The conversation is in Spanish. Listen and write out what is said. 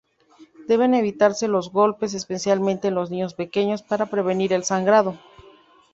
Deben evitarse los golpes, especialmente en los niños pequeños, para prevenir el sangrado.